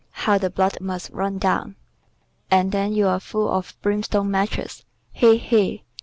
How the blood must run down. And then you're full of brimstone matches. He! he!"